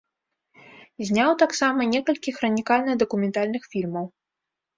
Зняў таксама некалькі хранікальна-дакументальных фільмаў.